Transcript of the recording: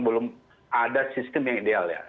belum ada sistem yang idealnya